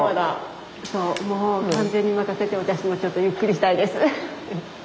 もう完全に任せて私もちょっとゆっくりしたいです。